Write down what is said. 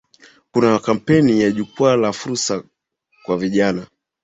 Kuna kampeni ya Jukwaa la Fursa kwa Vijana